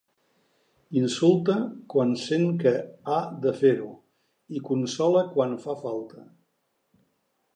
Insulta quan sent que ha de fer-ho i consola quan fa falta.